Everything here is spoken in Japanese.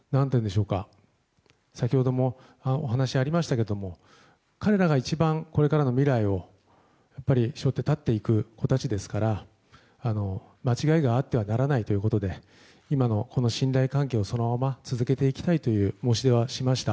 先ほどもお話にありましたが彼らが一番、これからの未来を背負って立っていく子たちですから間違いがあってはならないということで今のこの信頼関係をそのまま続けていきたいという申し出はしました。